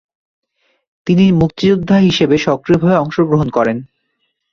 তিনি মুক্তিযোদ্ধা হিসেবে সক্রিয়ভাবে অংশগ্রহণ করেন।